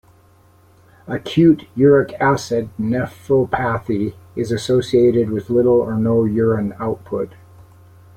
Acute uric acid nephropathy is associated with little or no urine output.